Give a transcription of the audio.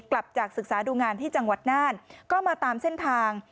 กลับจากศึกษาดูงานที่จังหวัดน่านก็มาตามเส้นทาง